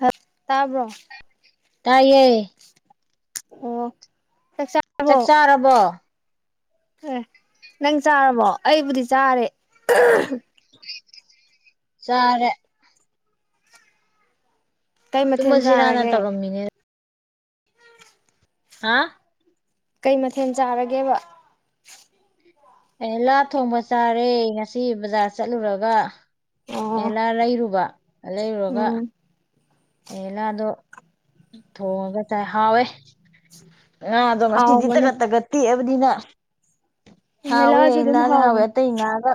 ꯍꯞꯇꯥꯥꯕ꯭ꯔꯣ ꯇꯏꯌꯦ ꯑꯣ ꯆꯥꯛ ꯆꯥꯔꯕꯣ ꯑꯦ ꯅꯪ ꯆꯥꯔꯕꯣ ꯑꯩꯕꯨꯗꯤ ꯆꯥꯔꯦ [inaudible] ꯆꯥꯔꯦ ꯀꯩ ꯇꯨꯝꯃ ꯃꯊꯦꯜ ꯖꯤꯔꯥ ꯅ ꯆꯥꯔꯒꯦ ꯇꯧꯔꯝꯃꯤꯅꯦ ꯍꯥ ꯀꯩ ꯃꯊꯦꯜ ꯆꯥꯔꯒꯦꯕ ꯑꯦ ꯂꯥ ꯊꯣꯡꯕ ꯆꯥꯔꯦ ꯉꯁꯤ ꯕꯖꯥꯔ ꯆꯠꯂꯨꯔꯒ ꯑꯣ ꯑꯍꯦꯂꯥ ꯂꯩꯔꯨꯕ ꯂꯩꯔꯨꯔꯒ ꯎꯝ ꯑꯍꯦꯂꯥꯗꯣ ꯊꯣꯡꯉꯒ ꯆꯥꯏ ꯍꯥꯎꯋꯦ ꯉꯥꯗꯣ ꯉꯁꯤꯗꯤ ꯍꯥꯎꯕꯅꯦ ꯇꯒꯠ ꯇꯒꯠ ꯇꯦꯛ ꯑꯗꯤꯅ ꯍꯥꯎꯋꯦ ꯍꯦꯂꯥꯁꯨ ꯑꯗꯨꯝ ꯑꯍꯤꯂꯥꯗꯤ ꯍꯥꯎꯋꯦ ꯍꯥꯎꯕꯅꯦ ꯑꯇꯩ ꯉꯥꯒ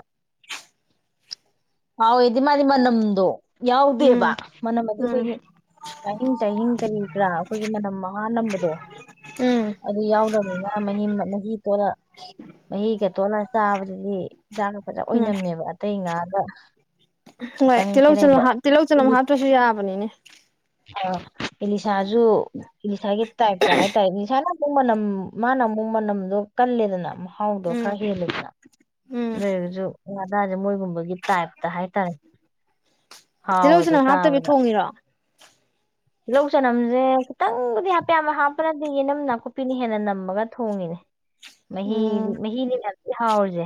ꯍꯥꯎ ꯏ ꯃꯥꯗꯤ ꯃꯅꯝꯗꯨ ꯎꯝ ꯌꯥꯎꯗꯦꯕ ꯃꯅꯝ ꯍꯥꯏꯗꯤ ꯎꯝ ꯑꯩꯈꯣꯏꯒꯤ ꯉꯥꯍꯤꯡ ꯆꯥꯍꯤꯡ ꯀꯔꯤ ꯀꯔꯥ ꯑꯩꯈꯣꯏꯒꯤ ꯃꯅꯝ ꯃꯍꯥꯅꯝꯕꯗꯣ ꯎꯝ ꯑꯗꯨ ꯌꯥꯎꯗꯕꯅꯤꯅ ꯃꯍꯤ ꯃꯍꯤ ꯇꯣꯠꯂ ꯃꯍꯤꯒ ꯇꯣꯠꯂ ꯆꯥꯕꯁꯤ ꯑ ꯖꯥꯅ ꯐꯖ ꯎꯝ ꯑꯣꯏꯅꯝꯃꯦꯕ ꯑꯇꯩ ꯉꯥ ꯑꯣ ꯍꯣꯏ ꯇꯤꯜꯍꯧ ꯆꯅꯝ ꯇꯤꯜꯍꯧ ꯆꯅꯝ ꯍꯥꯞꯇ꯭ꯔꯁꯨ ꯌꯥꯕꯅꯤꯅꯦ ꯑ ꯏꯂꯤꯁꯥꯁꯨꯨ ꯏꯂꯤꯁꯥꯒꯤ ꯇꯥꯏꯞꯇ ꯍꯥꯏ ꯇꯥꯔꯦ ꯏꯂꯤꯁꯥꯅ ꯃꯅꯝ ꯃꯥꯅ ꯑꯃꯨꯛ ꯃꯅꯝꯗꯨꯣ ꯀꯜꯂꯦꯗꯅ ꯍꯥꯎꯗꯣ ꯎꯝ ꯈꯔ ꯍꯦꯜꯂꯦꯗꯅ ꯎꯝ ꯂꯩꯔꯁꯨ ꯑꯗꯥꯏꯗ ꯃꯣꯏꯒꯨꯝꯕꯒꯤ ꯇꯥꯏꯞꯇ ꯍꯥꯏꯇꯥꯔꯦ ꯇꯤꯜꯍꯧ ꯍꯥꯎꯋꯦꯕ ꯆꯅꯝ ꯍꯥꯞꯇꯕꯤ ꯆꯥꯕꯗ ꯊꯣꯡꯉꯤꯔꯣ ꯇꯤꯜꯍꯧ ꯆꯅꯝꯁꯦ ꯈꯤꯇꯪꯕꯨꯗꯤ ꯍꯥꯞꯄꯦꯕ ꯍꯥꯞꯄꯅꯗꯤ ꯌꯦꯅꯝ ꯅꯥꯀꯨꯞꯄꯤꯅ ꯍꯦꯟꯅ ꯅꯝꯃꯒ ꯊꯣꯡꯉꯤꯅꯦ ꯃꯍꯤ ꯎꯝ ꯃꯍꯤꯅꯤ ꯃꯍꯤꯗꯤ ꯌꯥꯝ ꯊꯤꯅ ꯥꯎꯔꯤꯁꯦ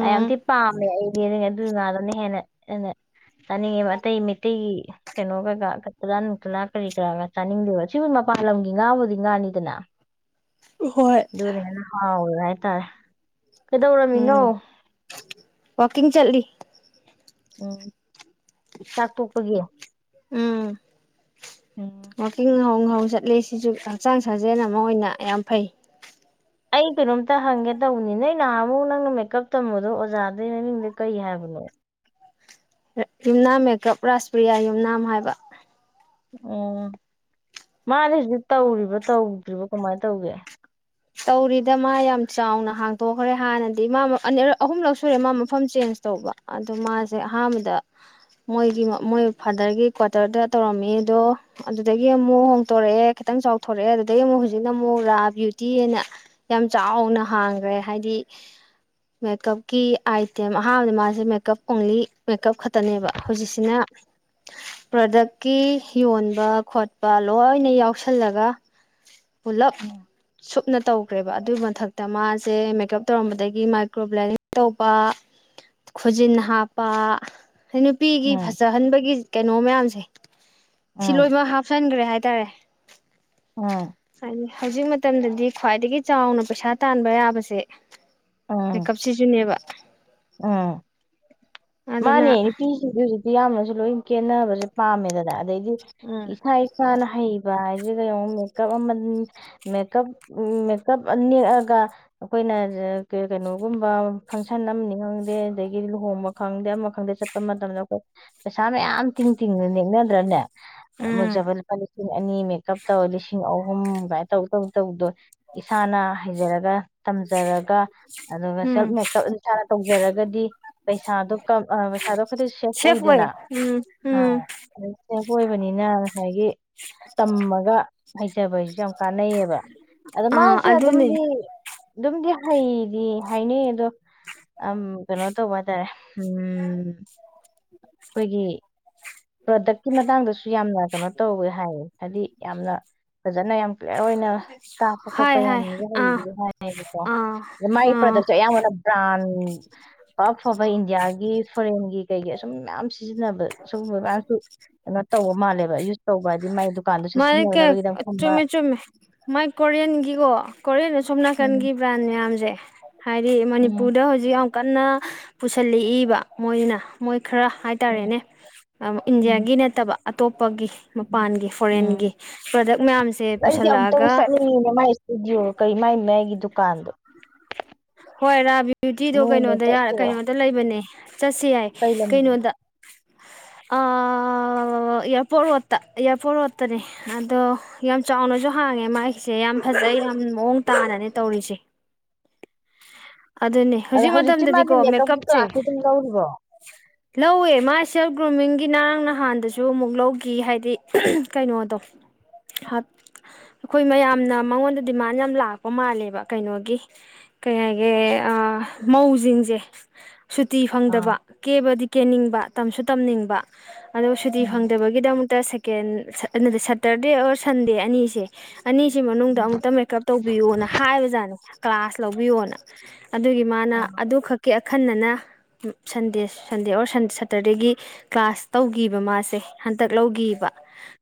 ꯑꯩ ꯌꯥꯝꯊꯤꯅ ꯄꯥꯝꯃꯦ ꯑꯩꯗꯤ ꯑꯗꯨ ꯉꯥꯗꯅ ꯍꯦꯟꯅ ꯍꯟꯅ ꯆꯥꯅꯤꯡꯉꯦꯕ ꯑꯇꯩ ꯃꯩꯇꯩꯒꯤ ꯀꯩꯅꯣꯒꯩꯀꯥ ꯀꯠꯇꯂ ꯅꯨꯡꯇꯂꯥ ꯀꯔꯤ ꯀꯔꯥꯒ ꯆꯥꯅꯤꯡꯗꯦꯕ ꯁꯤꯕꯨ ꯃꯄꯥꯟ ꯂꯝꯒꯤ ꯉꯥꯕꯨꯗꯤ ꯉꯥꯅꯤꯗꯅ ꯍꯣꯏ ꯍꯥꯎꯔꯂ ꯍꯥꯏꯇꯥꯔꯦ ꯀꯩꯗꯧꯔꯝꯃꯤꯅꯣ ꯋꯥꯀꯤꯡ ꯆꯠꯂꯤ ꯎꯝ ꯆꯥꯛ ꯇꯣꯛꯄꯒꯤ ꯎꯝ ꯎꯝ ꯋꯥꯛꯀꯤꯡ ꯍꯧꯡ ꯍꯧꯡꯅ ꯆꯠꯂꯤ ꯁꯤꯁꯨ ꯍꯛꯆꯥꯡ ꯁꯥꯖꯦꯜ ꯑꯃ ꯑꯣꯏꯅ ꯌꯥꯝ ꯐꯩ ꯑꯩ ꯀꯩꯅꯣꯝꯇ ꯍꯪꯒꯦ ꯇꯧꯕꯅꯤ ꯅꯣꯏ ꯅꯍꯥꯟ ꯑꯃꯨꯛ ꯅꯪꯅ ꯃꯦꯀꯞ ꯇꯝꯕꯗꯣ ꯑꯣꯖꯥꯗꯩ ꯃꯃꯤꯡꯗ ꯀꯩ ꯍꯥꯏꯕꯅꯣ ꯌꯨꯝꯅꯥꯝ ꯃꯦꯀꯞ ꯔꯥꯥꯁꯄ꯭ꯔꯤꯌꯥ ꯌꯨꯝꯅꯥꯝ ꯍꯥꯏꯕ ꯎꯝ ꯃꯥꯅꯦ ꯍꯧꯖꯤꯛ ꯇꯧꯔꯤꯕ꯭ꯔꯥ ꯇꯧꯗ꯭ꯔꯤꯕ ꯀꯃꯥꯏꯅ ꯇꯧꯒꯦ ꯇꯧꯔꯤꯗ ꯃꯥ ꯌꯥꯝ ꯆꯥꯎꯅ ꯍꯥꯡꯇꯣꯛꯈ꯭ꯔꯦ ꯍꯥꯟꯅꯗꯤ ꯃꯥ ꯑꯍꯨꯝꯂꯛ ꯁꯨꯔꯦ ꯃꯥ ꯃꯐꯝ ꯆꯦꯟꯖ ꯇꯧꯕ ꯑꯗꯨꯗꯣ ꯃꯥꯁꯦ ꯑꯍꯥꯟꯕꯗ ꯃꯣꯏꯒꯤ ꯃꯣꯏ ꯐꯥꯗꯔꯒꯤ ꯀ꯭ꯋꯥꯇꯔꯗ ꯇꯧꯔꯝꯃꯤ ꯑꯗꯣ ꯑꯗꯨꯗꯒꯤ ꯑꯃꯨꯛ ꯍꯣꯡꯇꯣꯔꯛꯑꯦ ꯈꯤꯇꯪ ꯆꯥꯎꯊꯣꯔꯛꯑꯦ ꯑꯗꯨꯗꯒꯤ ꯑꯃꯨꯛ ꯍꯧꯖꯤꯛꯅ ꯑꯃꯨꯛ ꯔꯥ ꯇꯤꯑꯅ ꯌꯥꯝ ꯆꯥꯎꯅ ꯍꯥꯡꯈ꯭ꯔꯦ ꯍꯥꯏꯗꯤ ꯃꯦꯀꯞꯀꯤ ꯑꯥꯏꯇꯦꯝ ꯑꯍꯥꯟꯕꯗ ꯃꯥꯁꯦ ꯃꯦꯀꯞ ꯑꯣꯡꯂꯤ ꯃꯦꯀꯞ ꯈꯛꯇꯅꯦꯕ ꯍꯧꯖꯤꯛꯁꯤꯅ ꯄ꯭ꯔꯗꯛꯀꯤ ꯌꯣꯟꯕ ꯈꯣꯠꯄ ꯂꯣꯏꯅ ꯌꯥꯎꯁꯜꯂꯒ ꯄꯨꯂꯞ ꯎꯝ ꯁꯨꯞꯅ ꯇꯧꯈ꯭ꯔꯦꯕ ꯑꯗꯨꯏ ꯃꯊꯛꯇ ꯃꯥꯁꯦ ꯃꯦꯀꯞ ꯇꯧꯔꯝꯕꯗꯒꯤ ꯃꯥꯏꯀ꯭ꯔꯣꯕ꯭ꯂꯦꯅꯤꯡ ꯇꯧꯕ ꯈꯨꯖꯤꯟ ꯍꯥꯞꯄ ꯑꯩ ꯅꯨꯄꯤꯒꯤ ꯎꯝ ꯐꯖꯍꯟꯕꯒꯤ ꯀꯩꯅꯣ ꯃꯌꯥꯝꯁꯦ ꯁꯤ ꯎꯝ ꯂꯣꯏꯅꯃꯛ ꯍꯥꯞꯆꯟꯈ꯭ꯔꯦ ꯍꯥꯏꯇꯥꯔꯦ ꯎꯝ ꯍꯥꯏ ꯍꯧꯖꯤꯛ ꯃ ꯗꯤ ꯈ꯭ꯋꯥꯏꯗꯒꯤ ꯆꯥꯎꯅ ꯄꯩꯁꯥ ꯇꯥꯟꯕ ꯌꯥꯕꯁꯦ ꯀꯞꯁꯤꯁꯨꯅꯦꯕ ꯑꯥ ꯑꯗꯨꯅ ꯃꯥꯅꯤ ꯄ ꯌꯥꯝꯅꯁꯨ ꯂꯣꯏ ꯀꯦꯟꯅꯅꯕꯁꯦ ꯄꯥꯝꯃꯦꯗꯅ ꯑꯗꯩꯗꯤ ꯎꯝ ꯏꯁꯥ ꯏꯁꯥꯅ ꯍꯩꯕ ꯍꯥꯏ ꯦꯀꯞꯦꯀꯞ ꯃꯦꯀꯞ ꯅꯦꯛꯑꯒ ꯑꯩꯈꯣꯏꯅ ꯀꯩꯅꯣꯒꯨꯝꯕ ꯐꯪꯁꯟ ꯑꯃꯅꯤ ꯈꯪꯗꯦ ꯑꯗꯒꯤꯗꯤ ꯂꯨꯍꯣꯡꯕ ꯈꯪꯗꯦ ꯑꯃ ꯈꯪꯗꯦ ꯆꯠꯄ ꯃꯇꯝꯗ ꯑꯩꯈꯣꯏ ꯄꯩꯁꯥ ꯃꯌꯥꯝ ꯇꯤꯡ ꯇꯤꯡꯅ ꯅꯦꯛꯅꯗ꯭ꯔꯅꯦ ꯎꯝ ꯑꯃꯨꯛꯖꯕ ꯂꯨꯄꯥ ꯂꯤꯁꯤꯡ ꯑꯅꯤ ꯃꯦꯀꯞ ꯇꯧ ꯂꯤꯁꯤꯡ ꯑꯍꯨꯝ ꯀꯃꯥꯏꯅ ꯇꯧꯗꯕ ꯇꯧꯗꯣꯏ ꯏꯁꯥꯅ ꯍꯩꯖꯔꯒ ꯇꯝꯖꯔꯒ ꯑꯗꯨꯒ ꯎꯝ ꯁꯦꯜꯐ ꯃꯦꯀꯞ ꯐꯖꯔꯒꯗꯤ ꯄꯩꯁꯥꯗꯣ ꯄꯩꯁꯥꯗꯣ ꯑꯩꯗꯤ ꯁꯦꯐ ꯑꯣꯏꯗꯅ ꯑꯣꯏ ꯎꯝ ꯑ ꯎꯝ ꯑꯗꯨ ꯁꯦꯐ ꯑꯣꯏꯕꯅꯤꯅ ꯉꯁꯥꯏꯒꯤ ꯇꯝꯃꯒ ꯍꯩꯖꯕ ꯍꯥꯏꯁꯨ ꯌꯥꯝ ꯀꯥꯟꯅꯩꯌꯦꯕ ꯑꯗꯨ ꯑꯥ ꯃꯥꯁꯤꯦ ꯑꯗꯨ ꯑꯗꯨꯅꯦ ꯃꯗꯤ ꯑꯗꯨꯝꯗꯤ ꯍꯩꯗꯤ ꯍꯥꯏꯅꯩ ꯑꯗꯣ ꯑꯝ ꯅꯣ ꯇ ꯋꯥ ꯠꯇꯔꯦ ꯎꯝ ꯑꯩꯈꯣꯏꯒꯤ ꯄ꯭ꯔꯗꯛꯀꯤ ꯃꯇꯥꯡꯗꯁꯨ ꯌꯥꯝ ꯌꯥꯝꯅ ꯀꯩꯅꯣ ꯇꯧꯋꯦ ꯍꯥꯏꯌꯦ ꯍꯥꯏꯗꯤ ꯌꯥꯝꯅ ꯐꯖꯅ ꯌꯥꯝ ꯑꯣꯏꯅ ꯇꯥꯛꯄ ꯍꯥꯏ ꯈꯣꯠꯄ ꯍꯥꯏ ꯌꯥꯝꯅꯁꯨ ꯑꯥ ꯍꯩꯕꯁꯨ ꯍꯥꯏꯅꯕ ꯑꯥ ꯑ ꯃꯥꯏ ꯑꯥ ꯄ꯭ꯔꯗꯁꯨ ꯑꯌꯥꯝꯕꯅ ꯕ꯭ꯔꯥꯟ ꯑꯐꯕ ꯏꯟꯗꯤꯌꯥꯒꯤ ꯐꯣꯔꯦꯟꯒꯤ ꯀꯩꯒꯤ ꯁꯁꯨꯝ ꯃꯌꯥꯝ ꯁꯤꯖꯤꯟꯅꯕ ꯑꯨꯝꯕꯀꯁꯨ ꯀꯩꯅꯣ ꯇꯧꯕ ꯃꯥꯜꯂꯦꯕ ꯌꯨꯁ ꯇꯧꯕ ꯍꯥꯏꯗꯤ ꯃꯥꯏꯗꯨ ꯃꯥꯥꯏ ꯀ ꯆꯨꯝꯃꯦ ꯆꯨꯝꯃꯦ ꯃꯥꯏ ꯀꯣꯔꯤꯌꯟꯒꯤꯀꯣ ꯀꯣꯔꯤꯌꯟꯨꯝ ꯁꯣꯝ ꯎꯝ ꯅꯥꯀꯟꯒꯤ ꯕ꯭ꯔꯥꯟ ꯃꯌꯥꯝꯁꯦ ꯍꯥꯏꯗꯤ ꯎꯝ ꯃꯅꯤꯄꯨꯔꯗ ꯍꯧꯖꯤꯛ ꯀꯟꯅ ꯄꯨꯁꯤꯜꯂꯛꯏꯕ ꯃꯣꯏꯅ ꯃꯣꯏ ꯈꯔ ꯎꯝ ꯍꯥꯏꯇꯥꯔꯦꯅꯦ ꯎꯝ ꯏꯟꯗꯤꯌꯥꯒꯤ ꯅꯠꯇꯕ ꯑꯇꯣꯞ ꯅꯨꯄꯒꯤ ꯎꯝ ꯃꯄꯥꯟꯒꯤ ꯎꯝ ꯐꯣꯔꯦꯟꯒꯤ ꯄ꯭ꯔꯗꯛ ꯃꯌꯥꯝꯁꯦ ꯑꯩꯗꯤ ꯑꯃꯨꯛꯇ ꯄꯨꯁꯜꯂꯛꯑꯒ ꯆꯠꯅꯤꯡꯉꯤꯅꯦ ꯃꯥꯏ ꯏꯁꯇꯨꯗꯤꯑꯣ ꯀꯩ ꯃꯥꯏ ꯃꯒꯤ ꯗꯨꯀꯥꯟꯗ ꯍꯣꯏ ꯔꯥꯕꯤ ꯕ꯭ꯌꯨꯇꯤꯗꯣ ꯅꯣꯡꯃ ꯀꯩꯅꯣꯗ ꯌꯥꯔ ꯆꯠꯁꯤꯔꯣ ꯀꯩꯅꯣꯗ ꯂꯩꯕꯅꯦ ꯆꯠꯁ ꯌꯥꯏ ꯀꯩ ꯂꯝꯗ ꯀꯩꯅꯣꯗ ꯏꯌꯥꯔꯄꯣꯔꯠ ꯔꯣꯠꯇ ꯏꯌꯥꯔꯄꯣꯔꯠ ꯔꯣꯠꯇꯅꯦ ꯑꯗꯣ ꯌꯥꯝ ꯆꯥꯎꯅꯁꯨ ꯍꯥꯡꯉꯦ ꯃꯥꯒꯤꯁꯦ ꯌꯥꯝ ꯐꯖꯩ ꯌꯥꯝ ꯃꯑꯣꯡ ꯇꯥꯅꯅꯦ ꯇꯧꯔꯤꯁꯦ ꯑꯗꯨꯅꯦ ꯑꯗꯣ ꯍꯧꯖꯤꯛ ꯍꯧꯖꯤꯛꯁꯤꯤ ꯃꯥꯗꯤ ꯃꯇꯝꯗꯗꯤꯀꯣ ꯃꯦꯀꯞꯈꯤ ꯃꯦꯀꯞꯁꯦ ꯑꯗꯨꯝ ꯀꯧꯔꯤꯕꯣ ꯂꯧꯋꯦ ꯃꯥ ꯁꯦꯜꯞ ꯒ꯭ꯔꯨꯃꯤꯡꯒꯤ ꯉꯔꯥꯡ ꯅꯍꯥꯟꯗꯁꯨ ꯑꯃꯨꯛ ꯂꯧꯈꯤ ꯍꯥꯏꯗꯤ ꯀꯩꯅꯣꯗꯣ ꯑꯩꯈꯣꯏ ꯃꯌꯥꯝꯅ ꯃꯉꯣꯟꯗ ꯗꯤꯃꯥꯟ ꯌꯥꯝ ꯂꯥꯛꯄ ꯃꯥꯜꯂꯦꯕ ꯀꯩꯅꯣꯒꯤ ꯀꯩ ꯍꯥꯏꯒꯦ ꯃꯧꯁꯤꯡꯁꯦ ꯁꯨꯇꯤ ꯑꯥ ꯐꯪꯗꯕ ꯀꯦꯕꯗꯤ ꯀꯦꯅꯤꯡꯕ ꯇꯝꯁꯨ ꯇꯝꯅꯤꯡꯕ ꯑꯗꯣ ꯁꯨꯇꯤ ꯎꯝ ꯐꯪꯗꯕꯒꯤꯗꯃꯛꯇ ꯁꯦꯇꯔꯗꯦ ꯑꯣꯔ ꯁꯟꯗꯦ ꯑꯅꯤꯁꯦ ꯑꯅꯤꯁꯤ ꯃꯅꯨꯡꯗ ꯎꯝ ꯑꯃꯨꯛꯇ ꯃꯦꯀꯞ ꯇꯧꯕꯤꯌꯨꯅ ꯍꯥꯏꯕꯖꯥꯠꯅꯤ ꯀ꯭ꯂꯥꯁ ꯀꯅ ꯑꯗꯨꯒꯤ ꯃꯥꯅ ꯑꯥ ꯑꯗꯨ ꯈꯛꯀꯤ ꯑꯈꯟꯅꯅ ꯁꯟꯗꯦ ꯁꯟꯗꯦ ꯑꯣꯔ ꯁꯇꯔꯗꯦꯒꯤ ꯀ꯭ꯂꯥꯁ ꯇꯧꯈꯤꯕ ꯃꯥꯁꯦ ꯍꯟꯇꯛ ꯂꯧꯈꯤꯕ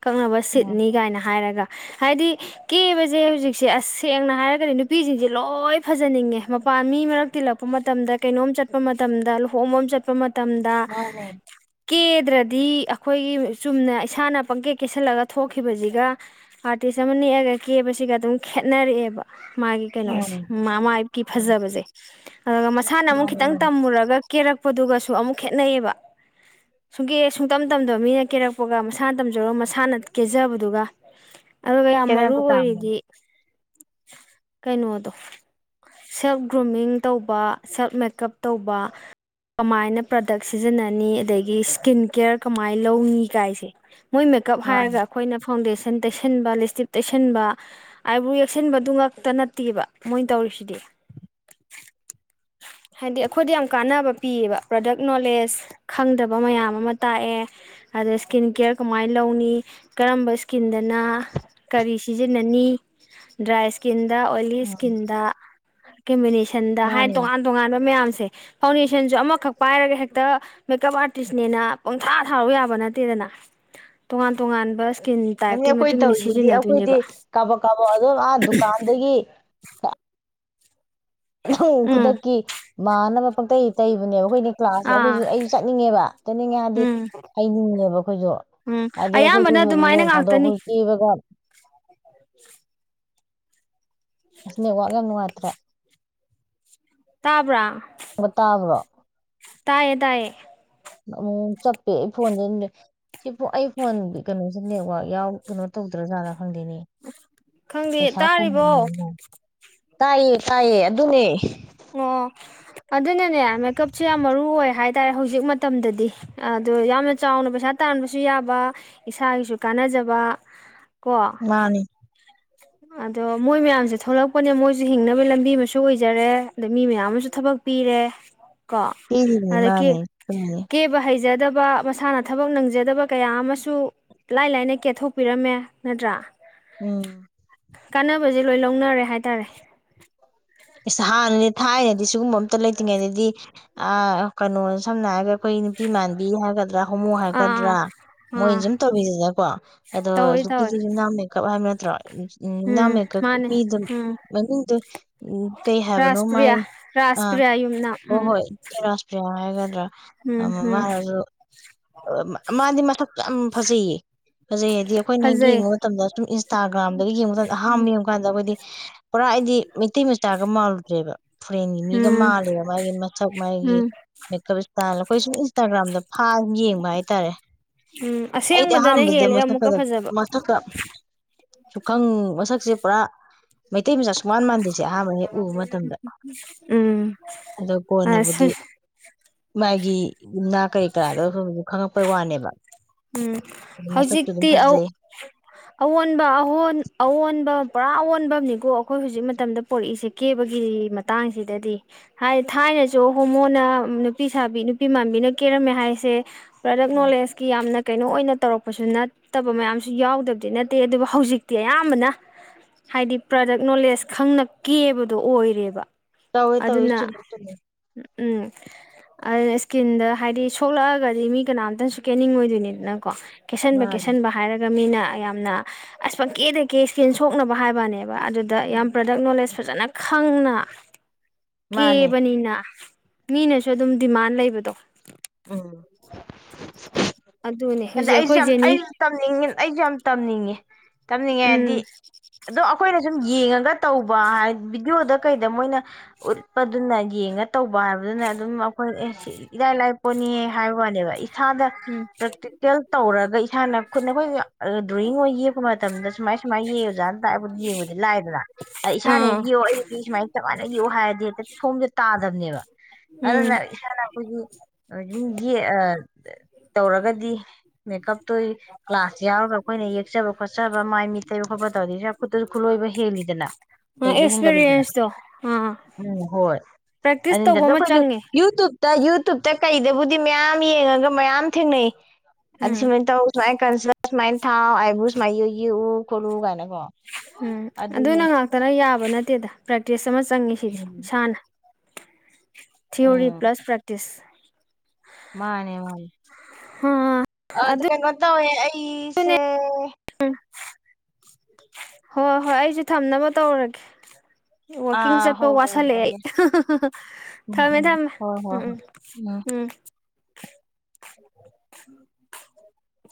ꯀꯛꯅꯕ ꯎꯝ ꯁꯤꯠꯅꯤ ꯀꯥꯏꯅ ꯍꯥꯏꯔꯒ ꯍꯥꯏꯗꯤ ꯀꯦꯕꯁꯦ ꯍꯧꯖꯤꯛꯁꯦꯁꯦꯡꯅ ꯍꯥꯏꯔꯒꯗꯤ ꯅꯨꯄꯤꯁꯤꯡꯁꯦ ꯂꯣꯏ ꯐꯖꯅꯤꯡꯉꯦ ꯃꯄꯥꯟ ꯃꯤ ꯃꯔꯛ ꯇꯤꯜꯂꯛꯄ ꯃꯇꯝꯗ ꯀꯩꯅꯣꯝ ꯆꯠꯄ ꯃꯇꯝꯗ ꯂꯨꯍꯣꯡꯕ ꯑꯃ ꯆꯠꯄ ꯃꯇꯝꯗ ꯃꯥꯅꯦ ꯀꯦꯗ꯭ꯔꯗꯤ ꯑꯩꯈꯣꯏꯒꯤ ꯆꯨꯝꯅ ꯏꯁꯥꯅ ꯄꯪꯀꯦꯠ ꯀꯦꯁꯜꯂꯒ ꯊꯣꯛꯈꯤꯕꯁꯤꯒ ꯑꯥꯔꯇꯤꯁ ꯑꯃ ꯅꯦꯛꯑꯒ ꯀꯦꯕꯁꯤꯒ ꯑꯗꯨꯝ ꯈꯦꯠꯅꯔꯛꯑꯦꯕ ꯃꯥꯒꯤ ꯀꯩꯅꯣꯁ ꯃꯥꯏꯕꯀꯤ ꯐꯖꯕꯁꯦ [unintelligible] ꯑꯗꯨꯒ ꯃꯁꯥꯅ ꯑꯃꯨꯛ ꯃꯥꯅꯤ ꯈꯤꯇꯪ ꯃꯥꯅꯤ ꯇꯝꯃꯨꯔꯒ ꯀꯦꯔꯛꯄꯗꯨꯒꯁꯨ ꯑꯃꯨꯛ ꯈꯦꯠꯅꯩꯑꯕ ꯁꯨꯡꯒꯤꯦ ꯁꯨꯡꯇꯝ ꯇꯝꯗꯕ ꯃꯤꯅ ꯀꯦꯔꯛꯄꯒ ꯃꯁꯥꯅ ꯇꯝꯖꯔꯒ ꯃꯁꯥꯅ ꯀꯦꯖꯕꯗꯨꯒ ꯑꯗꯨꯒ ꯌꯥꯝ ꯃꯔꯨ ꯈꯦꯠꯅꯕ ꯇꯥꯕꯅꯤ ꯑꯣꯏꯔꯤꯗꯤ ꯀꯩꯅꯗꯣ ꯁꯦꯜꯞ ꯒ꯭ꯔꯨꯃꯤꯡ ꯇꯧꯕ ꯁꯦꯜꯞ ꯃꯦꯀꯞ ꯇꯧꯕ ꯀꯃꯥꯏꯅ ꯄ꯭ꯔꯗꯛ ꯁꯤꯖꯤꯟꯅꯅꯤ ꯑꯗꯒꯤ ꯏꯁꯀꯤꯟ ꯀꯦꯌꯔ ꯀꯃꯥꯏꯅ ꯂꯧꯅꯤ ꯀꯥꯏꯁꯦ ꯃꯣꯏ ꯃꯦꯀꯞ ꯃꯥꯅꯤ ꯍꯥꯏꯔꯒ ꯑꯩꯈꯣꯏꯅ ꯐꯥꯎꯟꯗꯦꯁꯟ ꯇꯩꯁꯟꯕ ꯂꯤꯁꯇꯤꯞ ꯇꯩꯁꯟꯕ ꯑꯥꯏꯕ꯭ꯔꯣ ꯌꯦꯛꯁꯟꯕꯗꯨ ꯉꯛꯇ ꯅꯠꯇꯦꯕ ꯃꯣꯏꯅ ꯇꯧꯔꯤꯁꯤꯗꯤ ꯍꯥꯏꯗꯤ ꯑꯩꯈꯣꯏꯗ ꯌꯥꯝ ꯀꯥꯟꯅꯕ ꯄꯤꯌꯦꯕ ꯄ꯭ꯔꯗꯛ ꯅꯣꯂꯦꯖ ꯈꯪꯗꯕ ꯃꯌꯥꯝ ꯑꯃ ꯇꯥꯛꯑꯦ ꯑꯗ ꯏꯁꯀꯤꯟ ꯀꯦꯌꯔ ꯀꯃꯥꯏꯅ ꯂꯧꯅꯤ ꯀꯔꯝꯕ ꯏꯁꯀꯤꯟꯗꯅ ꯀꯔꯤ ꯁꯤꯖꯤꯟꯅꯅꯤ ꯗ꯭ꯔꯥꯏ ꯀꯤꯟꯗꯗꯥ ꯑꯣꯂꯤꯁ ꯀꯦꯃꯤꯁꯟ ꯁꯟꯗ ꯍꯥꯏꯅ ꯃꯥꯅꯤ ꯇꯣꯉꯥꯟ ꯇꯣꯉꯥꯟꯕ ꯃꯌꯥꯝꯁꯦ ꯁꯦ ꯐꯥꯎꯟꯗꯦꯁꯟ ꯑꯃꯈꯛ ꯄꯥꯏꯔꯒ ꯍꯦꯛꯇ ꯃꯦꯀꯞ ꯑꯥꯔꯇꯤꯁꯅꯦꯅ ꯄꯨꯡꯊꯥ ꯊꯥꯔ ꯌꯥꯕ ꯅꯠꯇꯦꯗꯅ ꯇꯣꯉꯥꯟ ꯇꯣꯉꯥꯟꯕ ꯏꯁꯀꯤꯟ ꯅꯅꯤ ꯇꯥꯏꯞꯇꯨꯒꯤ ꯑꯩꯈꯣꯏ ꯃꯇꯨꯡ ꯏꯟꯅ ꯇꯧꯔꯤꯁꯤꯗꯤ ꯑꯩꯈꯣꯏꯗꯤ ꯁꯤꯖꯤꯟꯅꯗꯣꯏꯅꯦꯕ ꯀꯥꯕ ꯀꯥꯕ ꯑꯗꯨꯝ ꯑꯥ ꯗꯨꯀꯥꯟꯗꯒꯤ ꯎꯝ ꯈꯨꯗꯛꯀꯤ ꯃꯥꯥꯟꯅꯕ ꯇꯩ ꯇꯩꯕꯅꯦꯕ ꯑꯩꯈꯣꯏ ꯀ꯭ꯂꯥꯁꯇ ꯑꯥ ꯑꯩꯈꯣꯏꯁꯨ ꯑꯩꯁꯨ ꯆꯠꯅꯤꯡꯉꯦꯕ ꯆꯠꯅꯤꯡꯉꯦ ꯍꯥꯏꯗꯤ ꯎꯝ ꯍꯩꯅꯤꯡꯉꯦꯕ ꯑꯩꯈꯣꯏꯁꯨ ꯎꯝ ꯍꯥꯏꯗꯗꯤ ꯑꯩꯈꯣꯏꯁꯨ ꯑꯌꯥꯝꯕꯅ ꯑꯗꯨꯃꯥꯏꯅ ꯅꯣꯡ ꯐꯥꯗꯣꯛꯑ ꯉꯥꯛꯇꯅꯤ ꯑꯩꯈꯣꯏꯁꯨ ꯆꯦꯕꯒ [unintelligible] ꯁꯅꯦ ꯋꯥꯒꯪ ꯃꯥꯇ꯭ꯔ ꯇꯥꯕ꯭ꯔꯥ ꯪꯕ ꯇꯥꯕ꯭ꯔꯣ ꯇꯌꯦ ꯇꯌꯦ ꯑꯃꯨꯛ ꯆꯞꯄꯦ ꯑꯩ ꯐꯣꯟꯗ ꯁꯤ ꯑꯩ ꯐꯣꯟꯒꯤ ꯀꯩꯅꯣꯁꯦ ꯅꯦꯠꯋꯥꯛ ꯌꯥꯎ ꯀꯩꯅꯣ ꯇꯧꯗ꯭ꯔꯥꯖꯥꯠꯗꯥ ꯐꯪꯗꯦꯅꯦ ꯈꯪꯗꯦ ꯄꯩꯁꯥ ꯇꯥꯔꯤꯕꯣ ꯀꯅꯤꯅ ꯇꯥꯏꯌꯦ ꯇꯥꯏꯌꯦ ꯑꯗꯨꯅꯦ ꯑꯣ ꯑꯗꯨꯅꯅꯦ ꯃꯦꯀꯞꯁꯦ ꯌꯥꯝ ꯃꯔꯨ ꯑꯣꯏ ꯍꯥꯏ ꯇꯥꯔꯦ ꯍꯧꯖꯤꯛ ꯃꯇꯝꯗꯗꯤ ꯑꯣ ꯌꯥꯝꯅ ꯆꯥꯎꯅ ꯄꯩꯁꯥ ꯇꯥꯟꯕꯁꯨ ꯌꯥꯕ ꯏꯁꯥꯒꯤꯁꯨ ꯀꯥꯟꯅꯖꯕ ꯀꯣ ꯃꯥꯅꯦ ꯑꯗꯣ ꯃꯣꯏ ꯃꯌꯥꯝꯁꯦ ꯊꯣꯛꯂꯛꯄꯅꯦ ꯃꯣꯏꯁꯨ ꯍꯤꯡꯅꯕ ꯂꯝꯕꯤ ꯑꯃꯁꯨ ꯑꯣꯏꯖꯔꯦ ꯑꯗ ꯃꯤ ꯃꯌꯥꯝ ꯑꯃꯁꯨ ꯊꯕꯛ ꯄꯤꯔꯦ ꯀꯣ ꯄꯤꯔꯤꯅꯤ ꯑꯗꯒꯤ ꯃꯥꯅꯦ ꯆꯨꯝꯃꯤꯅꯦ ꯀꯦꯕ ꯍꯩꯖꯗꯕ ꯃꯁꯥꯅ ꯊꯕꯛ ꯅꯪꯖꯗꯕ ꯀꯌꯥ ꯑꯃꯁꯨ ꯂꯥꯏ ꯂꯥꯏꯅ ꯀꯦꯊꯣꯛꯄꯤꯔꯝꯃꯦ ꯅꯠꯇ꯭ꯔꯥ ꯎꯝ ꯀꯥꯟꯅꯕꯁꯦ ꯂꯣꯏ ꯂꯧꯅꯔꯦ ꯍꯥꯏꯇꯥꯔꯦ ꯑ ꯁꯤꯒꯨꯝꯕ ꯑꯝꯇ ꯂꯩꯇ꯭ꯔꯤꯉꯩꯗꯗꯤ ꯑ ꯀꯩꯅꯣ ꯁꯝꯅꯔꯦ ꯑꯩꯈꯣꯏ ꯅꯨꯄꯤ ꯃꯥꯟꯕꯤ ꯍꯥꯏꯒꯗ꯭ꯔꯥ ꯍꯣꯃꯨ ꯑꯥ ꯍꯥꯏꯒꯗ꯭ꯔꯥ ꯑꯥ ꯃꯣꯏꯅ ꯑꯥ ꯁꯨꯝ ꯇꯧꯕꯤꯁꯤꯅꯀꯣ ꯑꯗꯣ ꯇꯧꯋꯤ ꯇꯧꯋꯤ ꯍꯧꯖꯤꯛꯀꯤꯗꯤ ꯌ ꯃꯦꯀꯞ ꯍꯥꯏꯕ ꯇ꯭ꯔꯥ ꯎꯝ ꯅꯃꯦ ꯀ ꯃꯥꯅꯦ ꯃꯤꯗ ꯎꯝ ꯀꯩ ꯍꯥꯏꯕꯅꯣ ꯃꯥꯏ ꯔꯥꯁꯄ꯭ꯔꯤꯌꯥ ꯑ ꯔꯥꯁꯄ꯭ꯔꯤꯌꯥ ꯌꯨꯝꯅꯥꯝ ꯍꯣꯏ ꯎꯝ ꯍꯣꯏ ꯔꯥꯁꯇ ꯍꯒꯗ꯭ꯔꯥ ꯑ ꯎꯝ ꯃꯥ ꯎꯝ ꯃꯥꯗꯤ ꯃꯊ ꯌꯥꯝ ꯐꯖꯩꯌꯦ ꯐꯖꯩ ꯍꯥꯏꯗꯤ ꯑꯩꯈꯣꯏꯅ ꯍꯦꯛ ꯐꯖꯩ ꯌꯦꯡꯕ ꯃꯇꯝꯗ ꯁꯨꯝ ꯏꯟꯁꯇꯥꯒ꯭ꯔꯥꯝꯗꯒꯤ ꯌꯦꯡꯕ ꯃꯇꯝꯗ ꯑꯍꯥꯟꯕ ꯎꯝ ꯌꯦꯡꯕ ꯀꯥꯟꯗ ꯑꯩꯈꯣꯏꯗꯤ ꯄꯨꯔꯥ ꯑꯩꯗꯤ ꯇꯒ ꯃꯥꯜꯗ꯭ꯔꯦꯕ ꯐꯣꯔꯦꯟꯒꯤ ꯃꯤꯒ ꯎꯝ ꯃꯥꯜꯂꯦꯕ ꯃꯥꯒꯤ ꯃꯁꯛ ꯃꯥꯒꯤ ꯎꯝ ꯃꯦꯀꯞ ꯏꯁꯇꯥꯏꯜ ꯑꯩꯈꯣꯏ ꯁꯨꯝ ꯏꯟꯁꯇꯥꯒ꯭ꯔꯥꯝꯗ ꯐꯥ ꯌꯦꯡꯕ ꯍꯥꯏꯇꯥꯔꯦ ꯎꯝ ꯑꯩꯗꯤ ꯑꯁꯦꯡꯕꯗꯅ ꯑꯍꯥꯟꯕꯗ ꯍꯦꯜꯂꯦ ꯃꯁꯛ ꯑꯃꯨꯛꯀ ꯐꯖꯕ ꯃꯁꯛꯀ ꯁꯨꯈꯪ ꯃꯁꯛ ꯄꯨꯔꯥ ꯃꯩꯇꯩ ꯃꯆꯥ ꯁꯨꯃꯥꯟ ꯃ ꯎꯝ ꯑꯗꯣ ꯑꯁ ꯀꯣꯟꯅꯕꯨꯗꯤ ꯃꯥꯒꯤ ꯅꯥ ꯀꯩ ꯀꯥꯗ ꯈꯪꯉ ꯄ ꯋꯥꯅꯦꯕ ꯎꯝ ꯃꯁꯛꯁꯨ ꯑꯗꯨꯝ ꯍꯧꯖꯤꯛꯇꯤ ꯐꯖꯩ ꯑꯑꯣꯟꯕ ꯑꯑꯣꯟꯕ ꯄꯨꯔꯥ ꯑꯣꯟꯕꯅꯤꯀꯣ ꯑꯩꯈꯣꯏ ꯍꯧꯖꯤꯛ ꯃꯇꯝꯗ ꯄꯣꯔꯛꯏꯁꯦ ꯀꯦꯕꯒꯤ ꯃꯇꯥꯡꯁꯤꯗꯗꯤ ꯍꯥꯏꯗꯤ ꯊꯥꯏꯅꯁꯨ ꯍꯣꯃꯣꯅ ꯅꯨꯄꯤ ꯁꯥꯕꯤ ꯅꯨꯄꯤ ꯃꯥꯟꯕꯤꯅ ꯀꯦꯔꯝꯃꯦ ꯍꯥꯏꯁꯦ ꯄ꯭ꯔꯗꯛ ꯅꯣꯂꯦꯖꯀꯤ ꯌꯥꯝꯅ ꯀꯩꯅꯣ ꯑꯣꯏꯅ ꯇꯧꯔꯛꯄꯁꯨ ꯅꯠꯇꯕ ꯃꯌꯥꯝꯁꯨ ꯌꯥꯎꯗꯕꯗꯤ ꯅꯠꯇꯦ ꯑꯗꯨꯕꯨ ꯍꯧꯖꯤꯛꯇꯤ ꯑꯌꯥꯝꯕꯅ ꯍꯥꯏꯗꯤ ꯄ꯭ꯔꯗꯛ ꯅꯣꯂꯦꯖ ꯈꯪꯅ ꯀꯦꯕꯗꯣ ꯑꯣꯏꯔꯦꯕ ꯇꯋꯦ ꯇꯋꯏ ꯑꯗꯨꯅ ꯆꯨꯝ ꯆ ꯎꯝ ꯑꯗꯨꯅ ꯏꯁꯀꯤꯟꯗ ꯍꯥꯏꯗꯤ ꯁꯣꯛꯂꯛꯑꯒꯗꯤ ꯃꯤ ꯀꯅꯥꯝꯇꯪꯁꯨ ꯀꯦꯅꯤꯡꯉ ꯑꯣꯏꯗꯣꯏꯅꯤꯅꯣ ꯅꯀꯣ ꯀꯦꯁꯟꯕ ꯃꯥꯅꯦ ꯀꯦꯁꯟꯕ ꯍꯥꯏꯔꯒ ꯃꯤꯅ ꯌꯥꯝꯅ ꯑꯁ ꯄꯪꯀꯦꯗ ꯀꯦ ꯏꯁꯀꯤꯟ ꯁꯣꯛꯅꯕ ꯍꯥꯏꯕꯅꯦꯕ ꯑꯗꯨꯗ ꯌꯥꯝ ꯄ꯭ꯔꯗꯛ ꯅꯣꯂꯦꯖ ꯐꯖꯅ ꯈꯪꯅ ꯃꯥꯅꯦ ꯀꯦꯕꯅꯤꯅ ꯃꯤꯅꯁꯨ ꯑꯗꯨꯝ ꯗꯤꯃꯥꯟ ꯂꯩꯕꯗꯣ ꯎꯝ [inaudible] ꯑꯗ ꯍꯧꯖꯤꯛ ꯑꯩꯁꯨ ꯑꯩꯈꯣꯏ ꯌꯥꯝ ꯖꯦꯅꯤ ꯑꯩꯁꯨ ꯇꯝꯅꯤꯡꯉꯤꯅ ꯑꯩꯁꯨ ꯌꯥꯝ ꯇꯝꯅꯤꯡꯉꯦ ꯎꯝ ꯇꯝꯅꯤꯡꯉꯦꯗꯤ ꯑꯗꯣ ꯑꯩꯈꯣꯏꯅ ꯁꯨꯝ ꯌꯦꯡꯉꯒ ꯇꯧꯕ ꯍꯥꯏ ꯚꯕꯤꯗꯤꯑꯣꯗ ꯀꯩꯗ ꯃꯣꯏꯅ ꯎ ꯄ ꯑꯗꯨꯅꯒꯤ ꯌꯦꯉ ꯇꯧꯕ ꯍꯥꯏꯕꯗꯨꯅ ꯑꯗꯨꯝ ꯑꯩꯈꯣꯏ ꯑꯦ ꯏꯔꯥꯏ ꯂꯥꯏꯄꯣꯅꯤ ꯍꯥꯏꯕ ꯋꯥꯅꯦꯕ ꯏꯁꯥꯗ ꯎꯝ ꯄꯦꯜ ꯇꯧꯔꯒ ꯏꯁꯥꯅ ꯈꯨꯠꯅ ꯃ [unintelligible] ꯗ꯭ꯔꯣꯌꯤꯡꯒꯤꯃ ꯃꯇꯝꯗ ꯁꯨꯃꯥꯏ ꯁꯨꯃꯥꯏ ꯌꯦꯡꯉ ꯖꯥꯠꯅ ꯇꯥꯛꯕꯕꯨꯗꯤ ꯌꯦꯡꯉꯨꯗꯤ ꯂꯥꯏꯗꯅ ꯏꯁꯥꯅ ꯑꯥ ꯍꯦꯛꯒꯤꯌꯣ ꯑꯩꯗꯤ ꯁꯨꯃꯥꯏ ꯀꯃꯥꯏꯅ ꯌꯦꯛꯎ ꯍꯥꯏꯔꯗꯤ ꯍꯦꯛꯇ ꯐꯣꯝꯁꯦ ꯇꯥꯗꯕꯅꯦꯕ ꯎꯝ ꯑꯗꯨꯅ ꯏꯁꯥꯅ ꯑꯩꯈꯣꯏꯒꯤ ꯑꯗꯨꯨꯝ ꯇꯧꯔꯒꯗꯤ ꯃꯦꯀꯞꯇꯨ ꯀ꯭ꯂꯥꯁ ꯌꯥꯎꯔꯒ ꯑꯩꯈꯣꯏꯅ ꯌꯦꯛꯆꯕ ꯈꯣꯠꯆꯕ ꯃꯥꯏ ꯃꯤ ꯇꯩꯕ ꯈꯣꯠꯄ ꯇꯧꯔꯗꯤ ꯈꯨꯠꯂꯣꯏꯕ ꯍꯦꯜꯂꯤꯗꯅ ꯍꯕ ꯍꯦꯟꯒꯠꯂꯤꯗꯅ ꯑꯦꯛꯁꯄꯤꯔꯤꯌꯦꯟꯁꯇꯣ ꯑꯥ ꯎꯝ ꯍꯣꯏ ꯄ꯭ꯔꯦꯛꯇꯤꯁ ꯑꯗꯨ ꯇꯧꯕ ꯑꯃ ꯑꯩꯈꯣꯏ ꯆꯪꯉꯦ ꯌꯨꯇꯨꯕꯇ ꯌꯨꯇꯨꯕꯇ ꯀꯩꯗꯕꯨꯗꯤ ꯃꯌꯥꯝ ꯌꯦꯡꯉꯒ ꯃꯌꯥꯝ ꯊꯦꯡꯅꯩ ꯑꯗꯤ ꯎꯝ ꯁꯤꯃ ꯇꯥꯏ ꯀꯁ ꯃꯥꯏꯟ ꯊꯥꯎ ꯑꯥꯏꯕ꯭ꯔꯨꯁ ꯃꯥꯥꯏ ꯌꯦ ꯌꯦꯛꯎ ꯈꯣꯠꯂꯨ ꯀꯥꯏꯅꯀꯣ ꯎꯝ ꯑꯗꯨꯅꯤ ꯑꯗꯨꯅ ꯉꯥꯛꯇꯅ ꯌꯥꯕ ꯅꯠꯇꯦꯗ ꯄ꯭ꯔꯦꯛꯇꯤꯁ ꯑꯃ ꯆꯪꯉꯤꯁꯤꯗꯤ ꯎꯝ ꯏꯁꯥꯅ ꯊꯤꯌꫭꯔꯤ ꯎꯝ ꯄ꯭ꯂꯁ ꯄ꯭ꯔꯦꯛꯇꯤꯁ ꯃꯥꯅꯦ ꯃꯥꯅꯤ ꯍꯥ ꯑꯗꯨ ꯀꯩꯅꫭ ꯇꯧꯑꯦ ꯑꯩ ꯇꯤꯁꯦ ꯎꯝ ꯍꯣꯏ ꯍꯣꯏ ꯑꯩꯁꯨ ꯊꯝꯅꯕ ꯇꯧꯔꯒꯦ ꯋꯥꯀꯤꯡ ꯑꯥ ꯆꯠꯄ ꯍꯣꯏ ꯍꯣꯏ ꯋꯥꯁꯜꯂꯑꯦ ꯌꯥꯔꯦ ꯑꯩ ꯊꯝꯃꯦ ꯊꯝꯃꯦ ꯍꯣꯏ ꯍꯣꯏ ꯎꯝ ꯎꯝ ꯍꯣꯏ. ꯎꯝ [unintelligible]